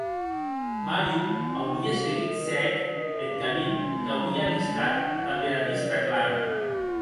Mario auirie seguit, cèc, eth camin qu’auie alistat damb era vista clara.